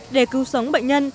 để cứu sống bệnh nhân